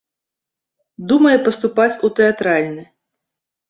Думае паступаць у тэатральны.